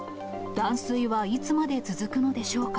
断水はいつまで続くのでしょうか。